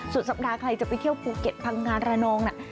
สุดสัปดาห์ใครจะไปเที่ยวภูเก็ตพังงานระนองน่ะ